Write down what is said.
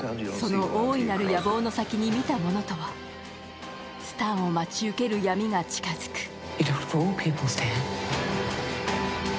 その大いなる野望の先に見たものとはスタンを待ち受ける闇が近づく。